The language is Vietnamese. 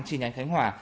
chi nhánh khánh hòa